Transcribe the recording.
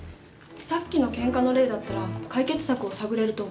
さっきのけんかの例だったら解決策を探れると思う。